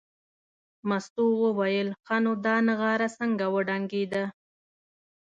مستو وویل ښه نو دا نغاره څنګه وډنګېده.